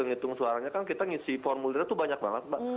ngitung suaranya kan kita ngisi formulirnya tuh banyak banget mbak